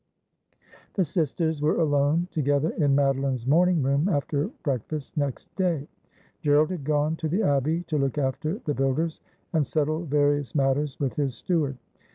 The sisters were alone together in Madoline's morning room after breakfast next day. Gerald had gone to the Abbey to look after the builders, and settle various matters with his steward.